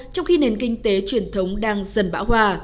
trong khi nền kinh tế truyền thống đang dần bão hòa